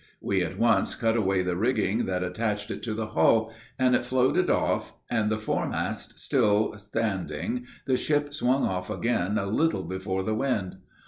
We at once cut away the rigging that attached it to the hull, and it floated off, and the foremast still standing, the ship swung off again a little before the wind.